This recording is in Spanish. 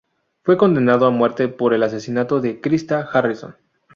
Fue condenado a muerte por el asesinato de Krista Harrison.